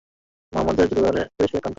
মুহাম্মাদের জাদুতে সে আক্রান্ত।